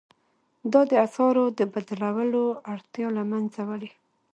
دا د اسعارو د بدلولو اړتیا له مینځه وړي.